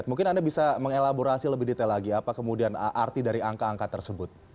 mungkin anda bisa mengelaborasi lebih detail lagi apa kemudian arti dari angka angka tersebut